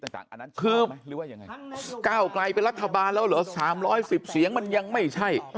ก้าวกลายเป็นรัฐบาลแล้วเหรอ๓๑๐เสียงมันยังไม่ใช่